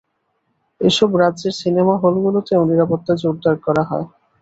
এসব রাজ্যের সিনেমা হলগুলোতেও নিরাপত্তা জোরদার করা হয়।